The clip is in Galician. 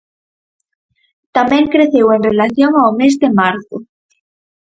Tamén creceu en relación ao mes de marzo.